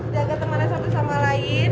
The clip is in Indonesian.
jaga temannya satu sama lain